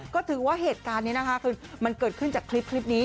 ก็ถือว่าเหตุการณ์นี้นะคะคือมันเกิดขึ้นจากคลิปนี้